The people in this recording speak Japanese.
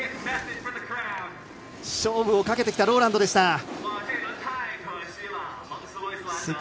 勝負をかけてきたローランドでした。